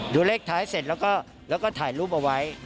ดูเลขท้ายเสร็จแล้วก็ถ่ายรูปเอาไว้